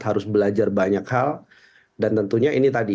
harus belajar banyak hal dan tentunya ini tadi